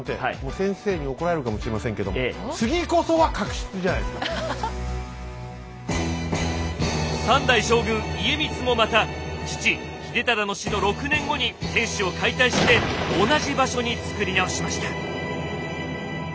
先生に怒られるかもしれませんけども３代将軍家光もまた父・秀忠の死の６年後に天守を解体して同じ場所に造り直しました。